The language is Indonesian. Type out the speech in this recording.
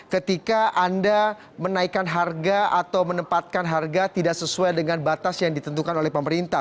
ketika anda menaikkan harga atau menempatkan harga tidak sesuai dengan batas yang ditentukan oleh pemerintah